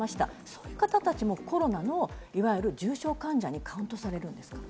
その方たちもコロナのいわゆる重症患者にカウントされるんですか？